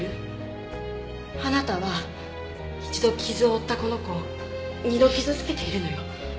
あなたは一度傷を負ったこの子を二度傷つけているのよ。